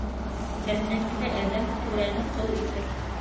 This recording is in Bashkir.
Тернәкле әҙәм түрәне ҡол итер.